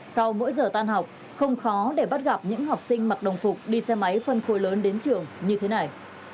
sau mỗi giờ tan học không khó để bắt gặp những học sinh mặc đồng phục đi xe máy phân khối lớn đến trường như thế này